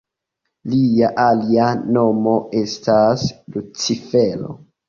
Lia alia nomo estas Lucifero.